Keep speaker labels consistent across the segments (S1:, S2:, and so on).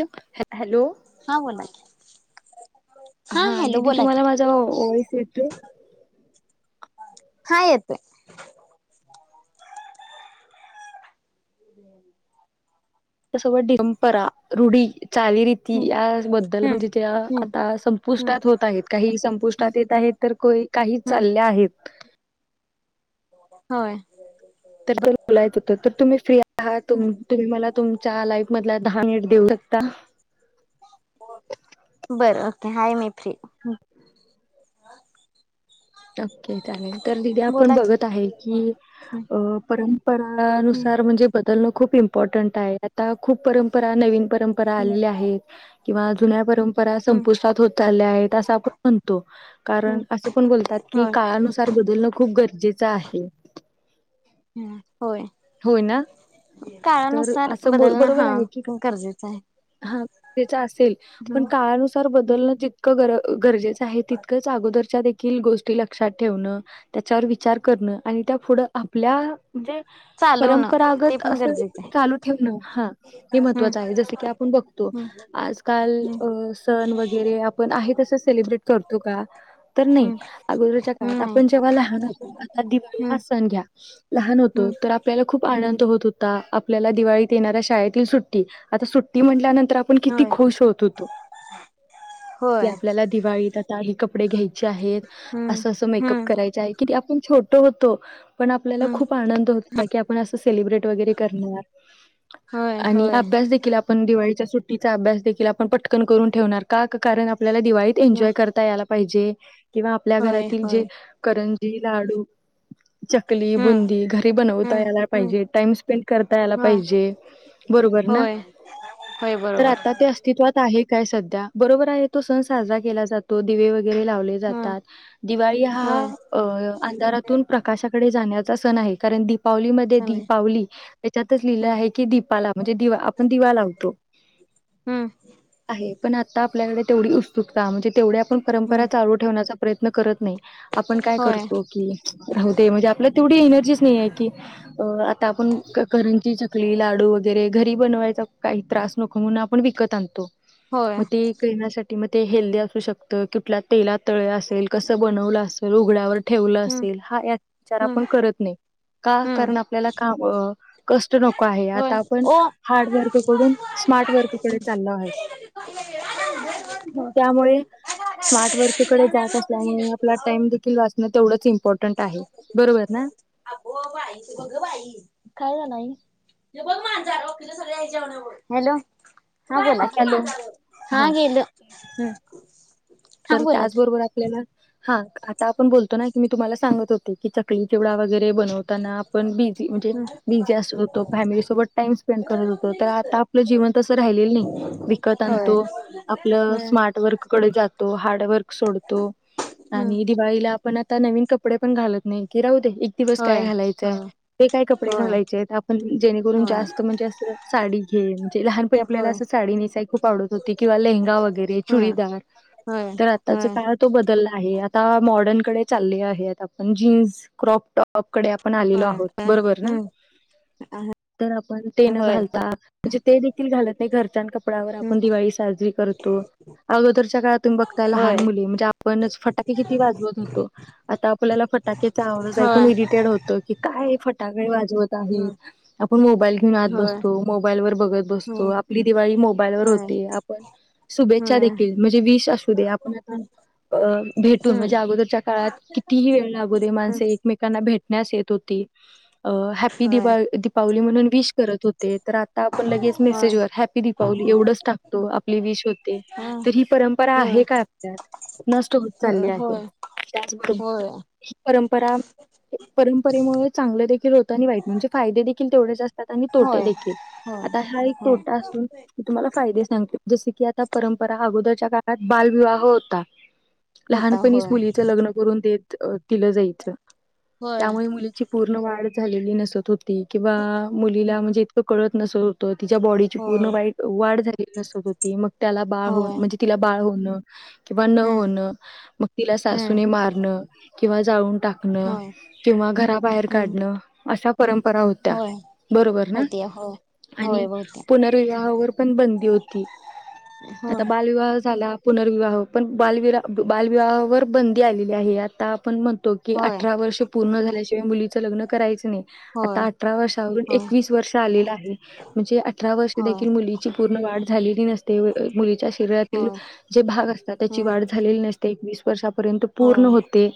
S1: Hello
S2: hello
S1: हा बोला.
S2: हा
S1: हॅलो
S2: दिदी
S1: बोला की
S2: तुम्हाला माझा वाॅईस येतोय.
S1: हा येतोय. [inaudible]
S2: [unintelligible] चालीरीती
S1: हम्म
S2: या बद्दल
S1: हम्म
S2: म्हणजे ज
S1: हम्म
S2: आता
S1: हम्म
S2: संपुष्टात होत आहेत. काही संपुष्टात येत आहेत. तर कोही काही
S1: हम्म
S2: चालल्या आहेत.
S1: होय.
S2: [unintelligible] हा तुम तुम्ही मला तुमच्या लाईफ मधला दहा मिनिट देऊ शकता.
S1: [unintelligible] बरं ओके हाय मे फ्री.
S2: [unintelligible] ओके चालेल तर दीदी आपण
S1: बोला की
S2: बघत आहे की
S1: हम्म
S2: अ परंपरानुसार
S1: हम्म
S2: म्हणजे बदल हो खूप इम्पॉर्टंट आहे आता खूप परंपरा नवीन परंपरा [unintelligible] आलेल्या आहेत किंवा जुन्या परंपरा
S1: हम्म
S2: संपुष्टात होत चाल्या आहेत अस आपण म्हणतो कारण
S1: हम्म
S2: अस पण बोलतात की
S1: होय
S2: काळानुसार बदलणं खूप गरजेचं आहे.
S1: हम्
S2: [unintelligible] होय ना
S1: [unintelligible]
S2: तर
S1: काळानुसार
S2: असं ब
S1: बदलणं
S2: बरोबर
S1: हा
S2: आहे की
S1: गरजेचं आहे
S2: हा त्याच असेल पण
S1: हम्म
S2: काळानुसार बदलणं जितकं गर गरजेचं आहे तितकंच अगोदरच्या देखील गोष्टी लक्षात ठेवण त्याच्यावर विचार करणं आणि त्या पुढं आपल्या म्हणजे
S1: चालवणं ते
S2: परंपरागत
S1: पण
S2: असं
S1: गरजेचं आहे
S2: चालू ठेवणं हा हे महत्त्वाचं
S1: हम्म
S2: आहे जस की आपण बघतो
S1: हम्म
S2: आजकाल सण वगैरे आपण आहे तस सेलिब्रेट करतो का? तर नाही
S1: हम्म
S2: अगोदरच्या काळात
S1: हम्म
S2: आपण जेव्हा लहान होत आ दिवाळी ह
S1: हम्म
S2: सण घ्या लहान होतो
S1: हम्म
S2: तर आपल्याला खूप आंनंद होत होता आपल्याला दिवाळीत येणाऱ्या शाळेतील सुट्टी आता सुट्टी म्ह आपनं किती
S1: होय
S2: खुश होत होतो
S1: होय
S2: आपल्याला दिवाळीत हे कपडे घ्यायचे आहेत
S1: हम्म
S2: असं असं मेकअप
S1: हम्म
S2: करायच आहे किती आपण छोट होतो. पण आपल्याला
S1: हम्म
S2: खूप आनंद होत आणि असा सेलिब्रेट वगैरे करण
S1: होय होय
S2: आपण दिवाळीच्या सुट्टीचा अभ्यास देखील आपण पटकन करून ठेवणार का कारण आपल्याला दिवाळीत एन्जॉय करता यायला पाहिजे किंवा आपल्या
S1: होय
S2: घरातील जे
S1: होय
S2: करं लाडू चकली
S1: हम्म
S2: बुंदी घरी बनवत
S1: हम्म हम्म
S2: टाइम स्पेंड करता यायला
S1: होय
S2: पाहिजे बरोबर ना
S1: होय होय
S2: तर
S1: बरोबर
S2: आता ते अस्तित्वात आहे काय सध्या बरोबर आहे तो सण साजरा केला जातो दिवे वगै लावले
S1: हम्म
S2: जातात दिवाळी हा
S1: होय
S2: अंधारातून प्रकाशकडे, सण आहे कारण दी पावलीमध्ये दी
S1: समय
S2: पावली त्याच्यातच लिहिलं
S1: हम्म
S2: आहे की दीपाला म्हणजे दिवा आपण दिवा लावतो [inaudible]
S1: हम
S2: आहे पण [inaudible] आता आपल्याकडे तेवढी उत्सुकता म्हणजे तेवढ्या आपण परंपरा
S1: हम्म
S2: चालू ठेवण्याचा प्रयत्न करत नाही आपण काय
S1: होय
S2: करतो की राहू दे म्हणजे आपल्या तेवढी एनर्जीच नाही आहे की, अ आता आपण करंजी, चकली चकली लाडू वगैरे घरी बनवायचा काही त्रास नको, म्हणून आपण विकत आणतो.
S1: होय
S2: मग [inaudible] ते करण्यासाठी म ते हेल्दी असू शकतं कुठल्या तेलात तळे असेल कसं बनवलं असेल उघड्यावर ठेवलं
S1: हम्म
S2: असेल हा विचार
S1: हम्म
S2: आपण करत नाही का
S1: हम्म
S2: आपल्याला नको आहे आता
S1: होय
S2: आपण
S1: ओ
S2: हार्ड वर्ककडून स्मार्ट वर्ककडे चाललो आहे. त्यामुळे
S1: [unintelligible]
S2: स्मार्ट वर्ककडे जात असल्यामुळे आपला टाइम देखील वाचणं तेवढंच इम्पॉर्टन इम्पॉर्टंट आहे बरोबर ना
S1: हो बघ बाई! खाय का नाही? बघ मांजार ओकिल सगळ ह्यावर हॅलो! [unintelligible] बघ की
S2: हॅलो.
S1: मांजार हा गेलं [inaudible] हा
S2: तर
S1: बोला की
S2: त्याचबरोबर आपल्याला हा आता आपण बोलतो ना की मी तुम्हाला सांगत होते की चकली चिवडा वगैरे. ते बनवताना आपण बिझी म्हणे
S1: हम्म
S2: बिझी असत होतो टाइम स्पेंड करत. होतो आपलं जीवन तस राहिलेल नाही विकत
S1: होय
S2: आणतो आपलं
S1: हम्म
S2: स्मार्ट वर्ककडे जास हार्डवर्क सोडतो
S1: हम्म
S2: आणि दिवाळीला आपण आता नवीन कपडे पण घालत नाही की राहू दे एक दिवस
S1: होय
S2: काय घालायचंय
S1: हम्म
S2: ते काय कपडे
S1: होय
S2: घालायचे आपण जेणेकरून
S1: होय
S2: जास्त म्हणजे अस साडी घ म्हणजे लहानपनी आपल्याला अस साडी नेसायला खूप आवडत होती किंवा लेहंगा वगैरे
S1: होय
S2: चुडीदार
S1: होय
S2: तर आताचा
S1: होय
S2: काळ तो बदलला आहे आता मॉडर्नकडे चालले आहे आ आपण जीन्स क्रॉपटॉप डे आपण आलेलो
S1: होय
S2: आहोत
S1: होय
S2: बरोबर ना
S1: हम्म
S2: तर आपण ते न
S1: होय
S2: घालता म्हणजे ते देखील घालत नाही घरच्यांन कपडावर आपण दिवाळी साजरी करतो आगोदरष काळ तुम
S1: होय
S2: लहान मुली म्हणजे आपण फटाके किती वाजवत होतो आता आपल्याला फटाकेचा आ
S1: होय
S2: रिटेड होतो की काय फटाके वाजवत आप मोबाईल घेऊ आता
S1: होय होय
S2: बसतो मोबाईलवर बघतो ो आप दिळी मोल व
S1: होय
S2: होते आपण शुभेच्छा
S1: होय
S2: देीले आपण आता अ भेटून
S1: हम्म
S2: म्हणजे अगोदरच्या काळात कितीही वेळ लागू दे
S1: हम्म
S2: माणसे एकमेकांना भेटण्यास येत होती हॅपपी
S1: होय
S2: दपावली म्हणून विश करत होते तर आता आपण लगेच
S1: होय
S2: मेसेजवर हॅप्पी दीपावली एवढच टाकतो आपली विश होते
S1: हं
S2: तर ही परंपरा आहे
S1: होय
S2: ल्या नष्ट होत चालली
S1: हं
S2: आहे
S1: होय
S2: त्याचबरोबर
S1: होय
S2: ह परंपरा परंपरेमुळे चांगले देखील होत आणि वाईट म्हणजे फायदे देखील तेवढच
S1: होय
S2: तोेील
S1: होय
S2: आता हा एक
S1: होय
S2: तोटा असूनी तुम्हाला फादे सांगतो जस की आता अगोदरच्या का बालविवाह होता
S1: होता
S2: लहानपणीच
S1: होय
S2: मुलीचं लग्न करून देत तलं जायचं
S1: होय
S2: त्यामुळे मुलीची पूर्ण वाढ झालेली नसत होती किंवा मुलीला म्हणजे इतकं कळत नसत होत तिच्या बॉडीची पूर्ण वाई वाढ झाली नसत होती मग त्याला बाळ होऊन
S1: होय
S2: म्हणजे तिला बाळ होणं किंवा न
S1: होय हं
S2: होणं मग तिला
S1: हं
S2: टाकण
S1: होय
S2: किंवा घराबाहेर
S1: हं
S2: काढणं परंपरा होत्या
S1: होय
S2: बरोबर ना
S1: होती होय होय
S2: आणि
S1: बहुतेक
S2: पुनर्विवाहावर पण बंदी होती आता
S1: होय
S2: बालविवाहा झाला पुनर्विवाह पण बालवि बालविवाहावर बंदी आलेली आहे आता आपण म्हण की
S1: होय
S2: अठरा वर्ष पूर्ण झाल्याच्या मुली क
S1: होय
S2: आ अ वष
S1: होय
S2: वर्ष म्हण अ व
S1: होय
S2: मुलीची पूर्ण वाढ झालेली नसते मुली
S1: होय
S2: जे भाग असतात त्याची
S1: हं
S2: वाढ झालेली नसते एकस वर्ष पूर्ण
S1: होय
S2: होते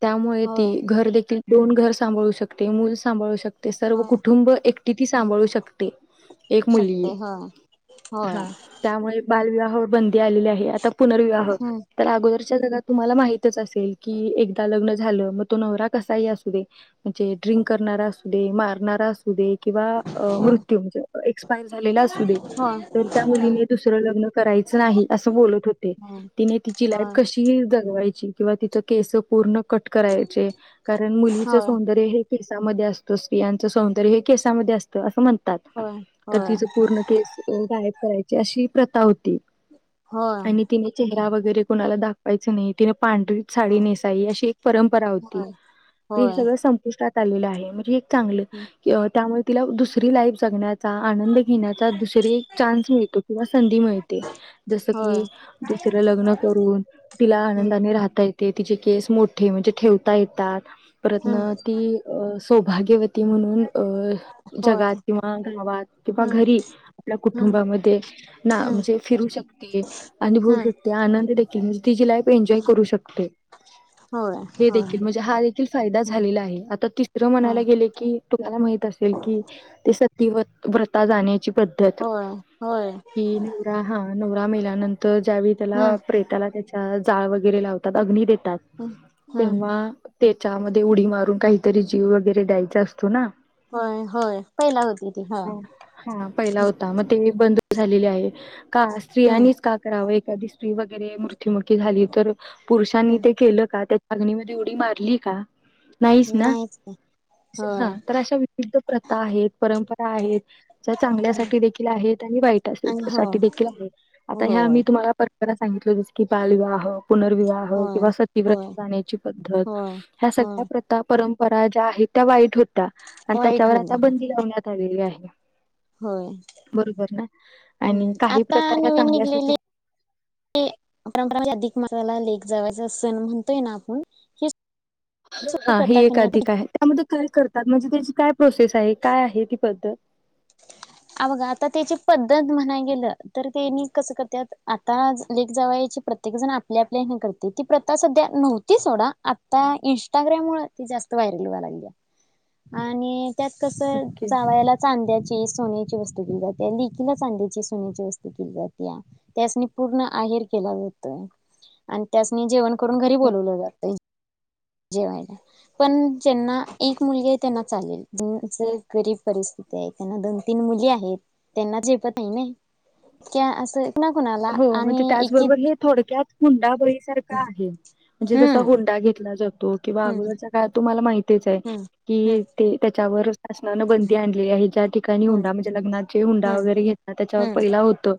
S2: त्यामुळे ती
S1: होय
S2: घर देखील दोन घर सांभाळू शकते मूल सांभाळू शकते सर्व
S1: होय
S2: कुटुंब एकटी ती सांभाळू शकते मु
S1: शकते होय
S2: ह
S1: होय
S2: त्यामुळे बालविवाहा ब आ आहे आता पुनर्विवाह
S1: हं
S2: अगोर जात तुम्हाला माहच असेल की एकदा लग्न झालं मग तो नव कसाही असू दे म्हणजे ड्रिंक करणारा असू दे मारणार असू दे किंवा
S1: हं
S2: मृत्यू म्हणज एर झाला अस दे
S1: होय
S2: त्या
S1: हं
S2: मुली दुसरं लग्न करायच नाही अस बोलत होते
S1: हं
S2: तिने तिची लाईफ कशी जगवायची किंवा तिच केस पूर्ण कट करायचे कारण मुलीच
S1: होय
S2: सौंदर्य हे केसामध्ये असतो स्तियाचं सौंदर्य हे केसामध्ये असतं असं म्हणत
S1: होय
S2: तर
S1: होय
S2: तिच पूर्ण केस गायब करायची अशी प्रथा होती
S1: होय
S2: आणि तिने चेहरा वगैरे कोणाला दाखवायच नाही तिने पांढरी साडी
S1: होय
S2: नेसाई अशी एक परंपरा होती
S1: होय
S2: ते
S1: होय
S2: सगळं संपुष्टात आहे म्हणजे एक चांगलं
S1: होय
S2: त्यामुळे तिला दुसरी लाईफ जण्यात आनंद घेण्याचा दुसर चान्स मिळतो किंवा संधी मिळते जस
S1: होय
S2: की दुसरं लग्न करून तिला
S1: हम्म
S2: आनंदाने राहत म्हण ठे यात त
S1: हम्म
S2: त म्हणून अ
S1: होय
S2: जगात किंवा गावात किंवा
S1: हम्म
S2: घरी आपल्या
S1: हम्म
S2: कुटुंबामध्ये ना
S1: हम्म
S2: म्हणजे फिरू शकते अनुभवू
S1: हम्म
S2: शकते आनंद देखील तिचीी लाईफ एन्जॉय
S1: हम्म
S2: करू शकते
S1: होय.
S2: हे
S1: होय
S2: देखील म्हणजे हा देखील फायदा
S1: हम्म
S2: झालेला आहे. आता तिसरं म्हणायला
S1: होय
S2: गेले की, तुम्हाला माहित असेल की- ते, सती व्रता जाण्याची पद्धत
S1: होय होय
S2: ह- हा नवरा मेल्यानंतर, ज्यावेळी त्याला
S1: हम्म
S2: प्रेताला त्याच्या जाळ वगैरे लावतात. अग्नी देत-
S1: हम्म हम्म
S2: तेव्हा त्याच्यामध्ये उडी मारून, काहीतरी जीव वगैरे द्यायचा असतो ना.
S1: होय होय पहिला होती ती हा
S2: हा पहिला होता मग ते- बंदच झालेले आहे. का
S1: हम्म
S2: स्त्रियांनीच का कराव- कधी श्री वगैरे मृत्युमुखी झाली तर, पुरुषांनी
S1: हम्म
S2: ते केलं का? अग्नी मध्ये उडी मारलीय का?
S1: नाहीच की-
S2: हा
S1: होय
S2: तर अशा विविध प्रथा आहेत. परंपरा आहेत. ज्या चांगल्यासाठी देखील आहेत. वाईट
S1: आणि हो
S2: साठी दे आहे. आता ह्या
S1: होय
S2: मी तुम्हाला परंपरा सांगितल जस की बालविवाह, पुनर्विवाह
S1: होय
S2: किंवा सतीव्रत
S1: होय
S2: जाण्याची पद्धत,
S1: होय
S2: ह्या
S1: होय
S2: सगळ्या प्रथ परं- परंपरा ज्या आहेत. त्या वाईट होत्या, आणि
S1: वाईट
S2: त्याच्यावर आता
S1: होत्या
S2: बंदी लावण्यात आलेली आहे.
S1: होय
S2: बरोबर ना आणि-
S1: हम्म
S2: काही
S1: आता
S2: प्रथा ह्या
S1: नवीन
S2: चांगल्यासाठी
S1: निघलेले परंपरा म्हणजे, अधिक मसाला लेक जावय- म्हणतय आप [unintelligible]
S2: हा ही एक अधिक आहे. त्यामध्ये काय करतात. म्हणजे, त्याची काय प्रोसेस आहे. काय आहे ती पद्धत,
S1: अ बघा आता त्याची पद्- पद्धत म्हणाय गेलं तर, त्यांनी कसं करत्यात आता लेक जावयाची प्रत्येक जण आपल्या आपल्या ह्यानी करत्यात- ती प्रथा सध्या नव्हती सोडा, आता इंस्टाग्राम मुळं ती जास्त व्हायरल व्हायला लागली. आणि त्यात कस,
S2: ओके.
S1: जावायाला चांद्याचं सोन्याची वस्तू केली जात्या, लेकीला चांद्याची, सोन्याची वस्तू केली जात्या. त्यासनी पूर्ण आहेर केल्या जातंय आणि त्यासनी जेवण करून घरी बोलवलं जातयं. जेवायाला पण जेंना एक मुलगी आहे त्यांना चालेल, ज जे गरीब परिस्थिती आहे, त्यांना दोन, तीन मुली आहेत त्यांना झेपत नाहीये त्या ना कुणाला
S2: हो, म्हणजे
S1: आणि एकी
S2: त्याचबरोबर हे थोडक्यात हुंडाबळीसारखं आहे. जे जसा
S1: हम्म
S2: हुंडा घेतला जातो किंवा
S1: हम्म
S2: अगोदरच्या कळत तुम्हाला तेच आहे
S1: हम्म हम्म
S2: की त्याच्यावर शासनाने बंदी आणली आहे. ज्या ठिकाणी
S1: हम्म
S2: हुंडा म्हणजे लग्नात हुंडा वगैरे घेतला त्याच्यावर पहिला होतो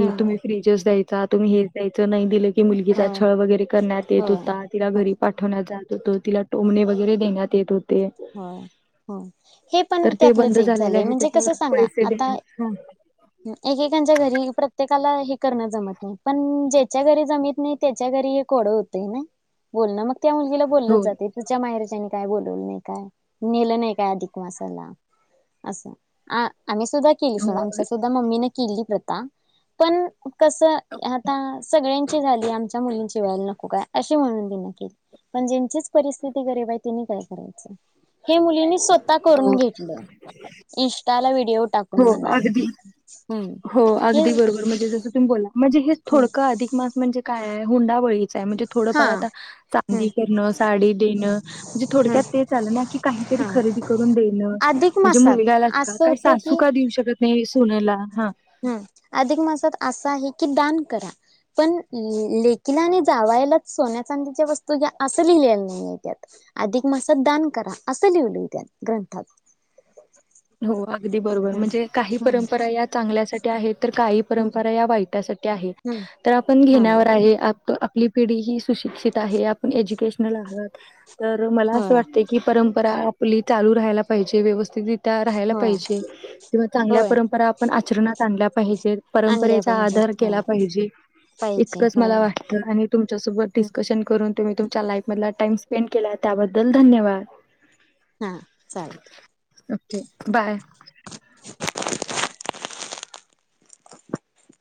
S1: हम.
S2: फ्रीझच द्यायचा, तुम्ही हेचं द्यायचं, नाही दिलं की की मुलगीचा
S1: होय
S2: छळ वगैरे करण्यात येत
S1: होय
S2: होता, तिला
S1: होय
S2: घरी पाठवण्यात जात तो तिला टोमणे वगैरे देण्यात येत हो
S1: होय हो, हे पण
S2: तर ते
S1: त्यातलंच
S2: बंद
S1: एक
S2: झालेले
S1: झालंय,
S2: आहे
S1: म्हणजे कसं
S2: त्याच्यावर
S1: सांगा?
S2: पैसे
S1: आता
S2: देण्यात हां.
S1: ह एकेकांच्या घरी प्र प्रत्येकाला हे करणं जमत नाही, पण ज्याच्या घरी जमत नाही त्याच्या घरी एक कोडं होतंय ना. बोलण मग त्या मुलगीला बोल लं
S2: हो
S1: जातंय, तिच्या माहेरच्यांनी काय बोलवलं नाही. काय, नेलं नाही काय अधिक मासाला, असं आ आम्ही सुद्धा केली
S2: हो
S1: सोड, आमच्या सुद्धा मम्मीनं केली प्रथा, पण कसं, आता सगळ्यांची झाली, आमच्या मुलींची वेळेला नको काय, अशी म्हणून तिनं केली. पण ज्यांचीच परिस्थिती गरीब आहे तेनी काय करायचं? हे मुलीनी स्वतः
S2: हो
S1: करून घेतलं, इन्स्टाला विट
S2: हो अगदी, हो अगदी
S1: हे
S2: बरोबर, म्हणजे जसं तुम्ही बोलला म्हणजे हेच
S1: हम्म
S2: थोडंकं अधिक मास म्हणजे काय हाय हुंडाबळी. म्हणजे
S1: हा
S2: थोडफार आता चांदी
S1: हम्म
S2: करण साडी देण म्हणजे थोडक्यात
S1: हम्म
S2: तेचं आलं ना की काही
S1: हा
S2: खरेदी करून देणं,
S1: अधिक
S2: म्हंजे
S1: मासात
S2: मुलग्याला,
S1: असं
S2: काय
S1: होतं
S2: सासू
S1: की
S2: का देऊ शकत नाही सुनेला, हा
S1: हम्म, अधिक मासांत असं आहे की, दान करा. पण लेकीला आणि जावायलाचं सोन्या चांदीच्या वस्तू ह्या असं लिहिलेलं नाहीय त्यात. अधिक मासात दान करा असं लिवलंय त्यात ग्रंथात.
S2: [inaudible] हो. अगदी बरोबर,
S1: हम्म
S2: म्हणजे काही परंपरा या चांगल्यासाठी आहेत तर काही परंपरा या वाईटा साठी आहेतं.
S1: हम्म
S2: तर आपण
S1: हम्म
S2: घेण्यावर आहे. आ त आपली पिढी ही सुशिक्षित आहे, आपण एज्युकेशनल आहोतं. तर मला
S1: हा
S2: असं वाटतंय की, परंपरा आपली चालू राहायला पाहिजे व्यवस्थित त्या राहायला
S1: होय होय
S2: पाहिजे किंवा चांगल्या
S1: होय
S2: परंपरा आपण आचरणात आणल्या पाहिजे.
S1: आणल्या
S2: परंपरेचा आधार
S1: पाहिजेत होय
S2: केला पाहिजे.
S1: पाहिजे
S2: इतकंच मला
S1: होय
S2: वाटत, आणि तुमच्यासोबत डिस्कशन करून तुम्ही तुमच्या लाईफमधला टाईम स्पेंड केला त्याबद्दल धन्यवाद.
S1: हा, चालेल.
S2: Okay bye. [inaudible]
S1: [inaudible]